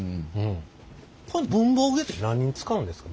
これ文房具用って何に使うんですか？